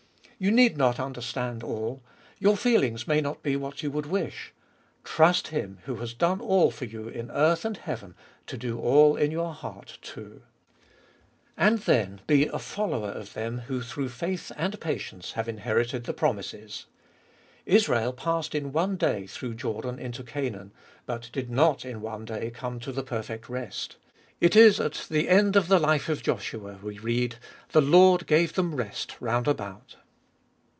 You need not understand all. Your feelings may not be what you would wish. Trust Him, who has done all for you in earth and heaven, to do all in your heart too. And then be a follower of them who through faith and patience have inherited the promises. Israel passed in one day through Jordan into Canaan, but did not in one day come to the perfect rest. It is at the end of the life of Joshua we read, " The Lord gave them rest round about."